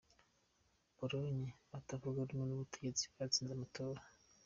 Pologne: Abatavuga rumwe n’ ubutegetsi batsinze amatora.